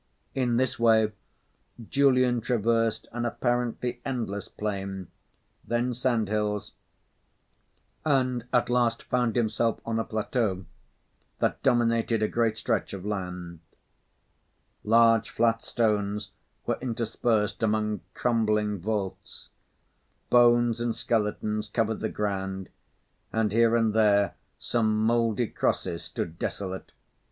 In this way Julian traversed an apparently endless plain, then sand hills, and at last found himself on a plateau that dominated a great stretch of land. Large flat stones were interspersed among crumbling vaults; bones and skeletons covered the ground, and here and there some mouldy crosses stood desolate.